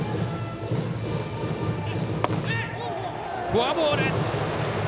フォアボール。